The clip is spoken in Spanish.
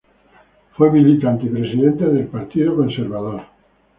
Fue militante y presidente del Partido Conservador.